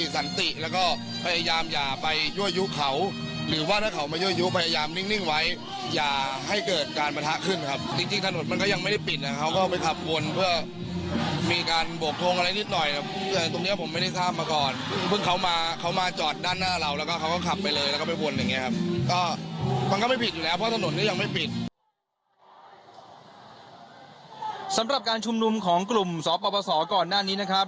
สำหรับการชุมนุมของกลุ่มสอบประวัติศาสตร์ก่อนหน้านี้ครับ